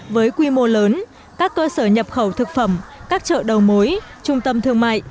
với quy mô lớn các cơ sở nhập khẩu thực phẩm các chợ đầu mối trung tâm thương mại